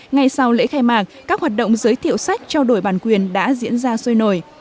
ngay sau lễ khai mạc các hoạt động giới thiệu sách trao đổi bản quyền đã diễn ra sôi nổi